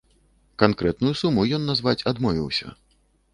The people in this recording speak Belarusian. Канкрэтную суму ён назваць адмовіўся.